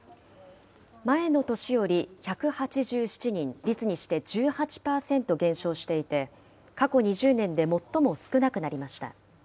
前の年より１８７人、率にして１８％減少していて、過去２０年で最も少なくなりました。